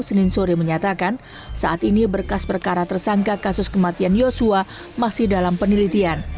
senin sore menyatakan saat ini berkas perkara tersangka kasus kematian yosua masih dalam penelitian